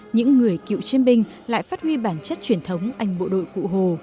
những người cựu chiến binh lại phát huy bản chất truyền thống anh bộ đội cụ hồ